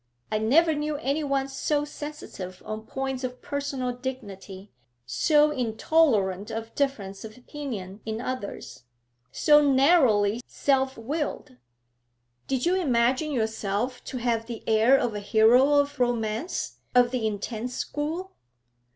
I never knew any one so sensitive on points of personal dignity, so intolerant of difference of opinion in others, so narrowly self willed! Did you imagine yourself to have the air of a hero of romance, of the intense school?'